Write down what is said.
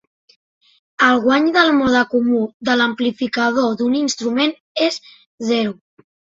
El guany del mode comú de l'amplificador d'un instrument és zero.